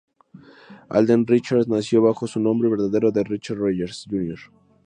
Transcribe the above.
Alden Richards nació bajo su nombre verdadero de Richard Reyes Jr.